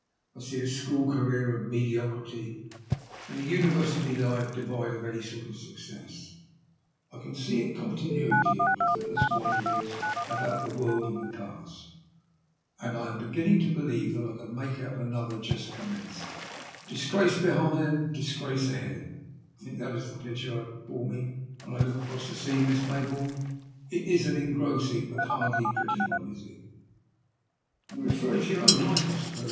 I see a school career of mediecrity, and a university life devoid of 140 THE LUST OF HATE. any sort of success ; I can see a continuity of profitless wanderings about the world in the past, and I am beginning to believe that I can make out another just oommencing. Disgrace behind, and disgrace ahesd ; I think that is the picture I have before me when I look across the sea. Miss Mayboume. It is an engross ing, but hardly a pretty one, is it ?"" You are referring to your own life, I suppose